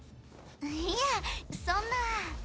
いやそんな。